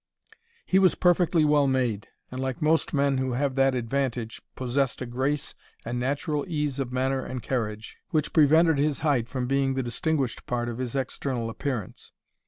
He was perfectly well made, and, like most men who have that advantage, possessed a grace and natural ease of manner and carriage, which prevented his height from being the distinguished part of his external appearance.